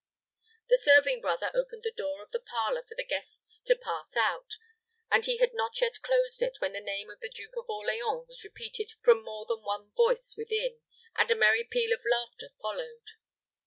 The serving brother opened the door of the parlor for the guests to pass out, and he had not yet closed it, when the name of the Duke of Orleans was repeated from more than one voice within, and a merry peal of laughter followed.